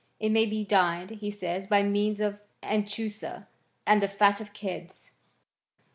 It may be dyed, he says, by means of anchusa and the fat of kids, 23.